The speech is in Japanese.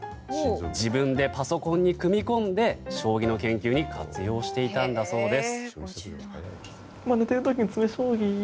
自分でパソコンに組み込んで将棋の研究に活用していたんだそうです。